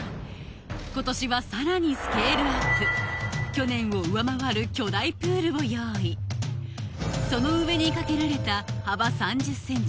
今年はさらにスケールアップ去年を上回る巨大プールを用意その上にかけられた幅３０センチ